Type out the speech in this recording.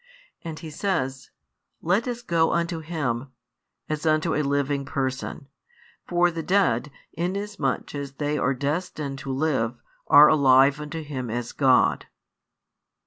And He says: Let us go unto him, as unto a living person; for the dead, inasmuch as they are destined to live, are alive unto Him as God.